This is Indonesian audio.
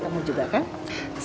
kamu juga kan